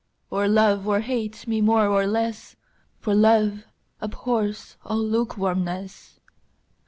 Or love or hate me more or less, 5 For love abhors all lukewarmness.